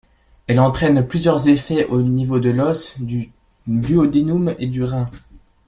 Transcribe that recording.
Elle entraîne plusieurs effets au niveau de l'os, du duodénum et du rein.